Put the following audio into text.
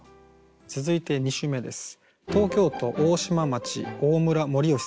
続いて２首目です。